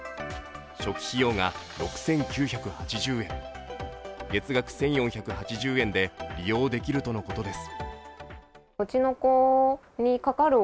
初期費用が６９８０円月額１４８０円で利用できるとのことです。